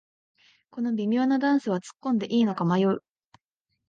この微妙なダンスはつっこんでいいのか迷う